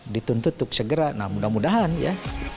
dituntut untuk segera nah mudah mudahan ya